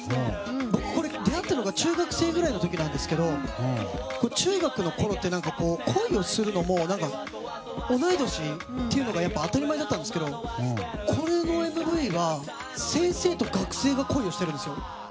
僕これ、出会ったのが中学生ぐらいの時なんですけど中学のころって恋をするのも何か、同い年というのが当たり前だったんですけどこのＭＶが先生と学生が恋をしてるんですよ。